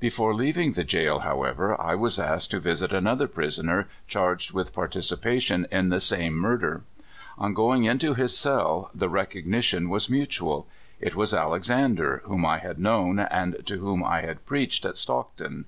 Before leaving the jail, 6 (81) 82 CALIFORNIA SKETCHES. however, I was asked to visit another prisoner charged with participation in the same murder. On going into his cell, the recognition was mutual. It was Alexander, whom I had known and to whom I had preached at Stockton.